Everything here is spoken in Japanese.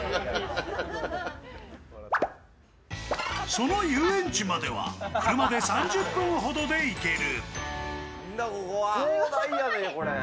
その遊園地までは車で３０分ほどで行ける。